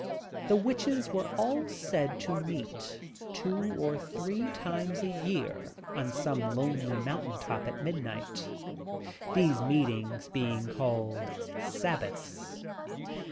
The witches were all said to meet two or three times a year on some lonely mountain top at midnight, — these meetings being called "Sabbaths."